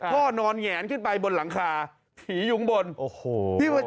พ่อนอนแหงขึ้นไปบนหลังคาผีอยู่ข้างบน